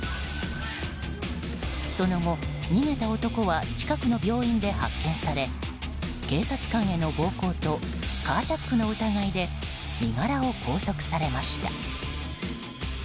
その後、逃げた男は近くの病院で発見され警察官への暴行とカージャックの疑いで身柄を拘束されました。